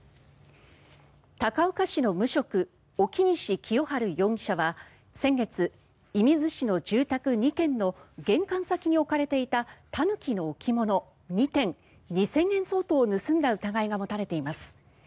高岡市の無職沖西清春容疑者は先月、射水市の住宅２軒の玄関先に置かれていたタヌキの置物２点２０００円相当を盗んだ疑いが持たれています。